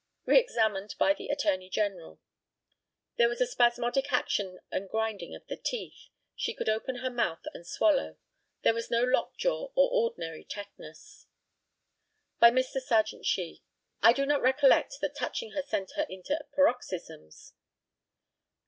Re examined by the ATTORNEY GENERAL: There was spasmodic action and grinding of the teeth. She could open her mouth and swallow. There was no lock jaw or ordinary tetanus. By Mr. Serjeant SHEE: I do not recollect that touching her sent her into paroxysms.